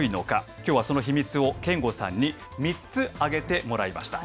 きょうはその秘密を、憲剛さんに３つ挙げてもらいました。